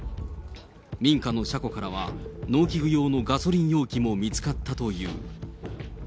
民家の車庫からは、農機具用のガソリン容器も見つかったという。